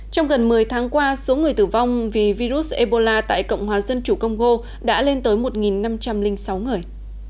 trong gần một mươi tháng qua số người tử vong vì virus ebola tại cộng hòa dân chủ congo đã lên tới một năm trăm linh sáu người